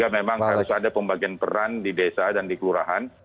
memang harus ada pembagian peran di desa dan di kelurahan